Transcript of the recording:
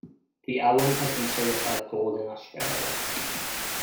The album has been certified gold in Australia.